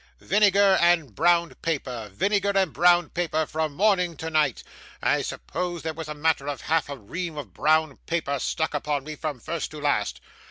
Vinegar and brown paper, vinegar and brown paper, from morning to night. I suppose there was a matter of half a ream of brown paper stuck upon me, from first to last.